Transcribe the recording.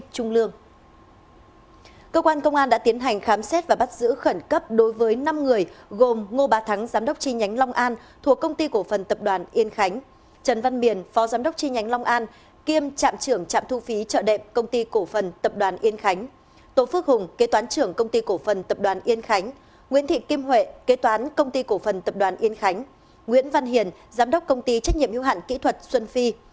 công an đã tiến hành khám xét và bắt giữ khẩn cấp đối với năm người gồm ngô bà thắng giám đốc tri nhánh long an thuộc công ty cổ phần tập đoàn yên khánh trần văn biển phó giám đốc tri nhánh long an kiêm trạm trưởng trạm thu phí trợ đệm công ty cổ phần tập đoàn yên khánh tổ phước hùng kế toán trưởng công ty cổ phần tập đoàn yên khánh nguyễn thị kim huệ kế toán công ty cổ phần tập đoàn yên khánh nguyễn văn hiền giám đốc công ty trách nhiệm hưu hạn kỹ thuật xuân phi